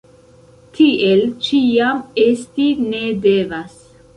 Tiel ĉiam esti ne devas!